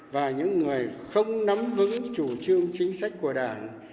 và những người không nắm vững chủ trương chính sách của đảng